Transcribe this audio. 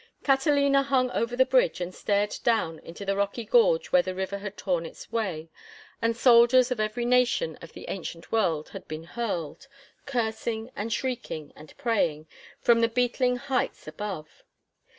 Catalina hung over the bridge and stared down into the rocky gorge where the river had torn its way, and soldiers of every nation of the ancient world had been hurled, cursing and shrieking and praying, from the beetling heights above.